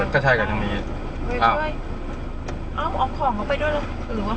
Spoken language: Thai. ก็ใช่ครับอย่างนี้เอ้าเอาออกของเอาไปด้วยหรือว่าไม่รับ